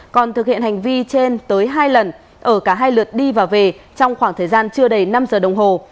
còn thực hiện hành vi trên tới hai lần ở cả hai lượt đi và về trong khoảng thời gian chưa đầy năm giờ đồng hồ